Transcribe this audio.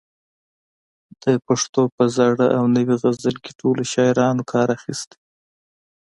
د پښتو په زاړه او نوي غزل کې ټولو شاعرانو کار اخیستی.